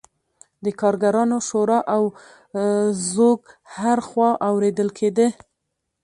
د کارګرانو شور او ځوږ هر خوا اوریدل کیده.